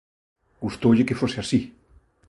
Gustoulle que fose así.